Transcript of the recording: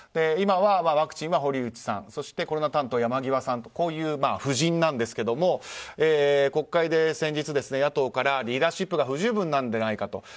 今はワクチンは堀内さんそしてコロナ担当は山際さんという布陣ですが国会で先日、野党からリーダーシップが不十分なんじゃないかと。